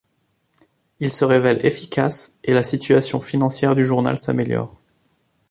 Il se révèle efficace, et la situation financière du journal s'améliore.